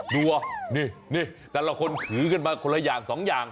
ดูนี่แต่ละคนถือกันมาคนละอย่างสองอย่าง